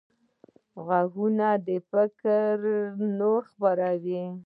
غوږونه د فکر نور خپروي